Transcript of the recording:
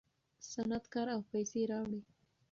صنعت کار او پیسې راوړي.